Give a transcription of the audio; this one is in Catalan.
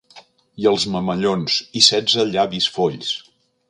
I els mamellons i setze llavis folls...